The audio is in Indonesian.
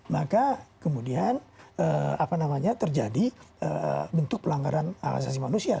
maka kemudian terjadi bentuk pelanggaran hak asasi manusia